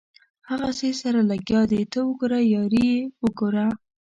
هغسې سره لګیا دي ته وګوره یاري یې وګوره.